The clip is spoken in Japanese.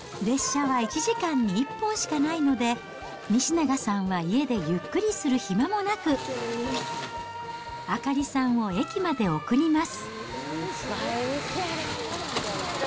列車は１時間に１本しかないので、西永さんは家でゆっくりする暇もなく、朱里さんを駅まで送ります。